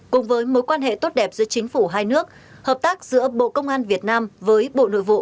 cùng với mối quan hệ tốt đẹp giữa chính phủ hai nước hợp tác giữa bộ công an việt nam với bộ nội vụ